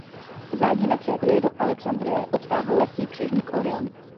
Zádí napřed jej do Alexandrie odtáhl lehký křižník Orion.